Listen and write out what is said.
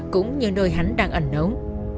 cũng như nơi hắn đang ẩn nấu